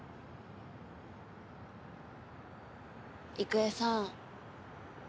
育恵さん。